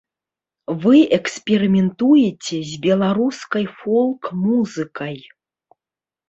Вы эксперыментуеце з беларускай фолк-музыкай.